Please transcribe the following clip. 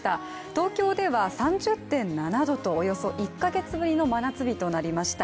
東京では３０．７度と、およそ１か月ぶりの真夏日となりました。